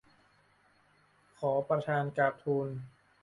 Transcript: ขอประธานกราบทูล